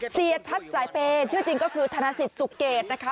เสียชัดสายเปย์ชื่อจริงก็คือธนสิทธิสุเกตนะคะ